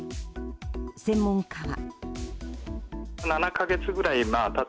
専門家は。